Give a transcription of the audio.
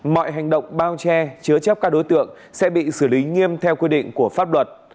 mọi hành động bao che chứa chấp các đối tượng sẽ bị xử lý nghiêm theo quy định của pháp luật